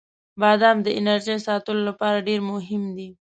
• بادام د انرژۍ ساتلو لپاره ډیر مهم دی.